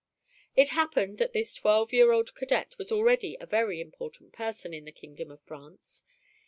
It happened that this twelve year old cadet was already a very important person in the kingdom of France.